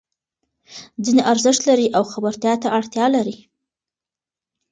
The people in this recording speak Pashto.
ځینې ارزښت لري او خبرتیا ته اړتیا لري.